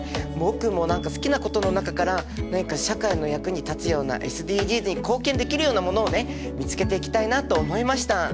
僕も好きなことの中から何か社会の役に立つようなＳＤＧｓに貢献できるようなものをね見つけていきたいなと思いました！